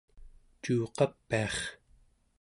cuuqapiar